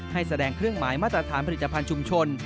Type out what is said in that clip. แสดงเครื่องหมายมาตรฐานผลิตภัณฑ์ชุมชน